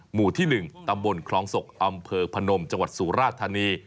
หมู่ที่๑ตำบลคลองศกอำเภอพนมจังหวัดสุราธานี